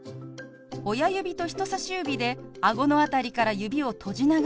親指と人さし指であごの辺りから指を閉じながら動かします。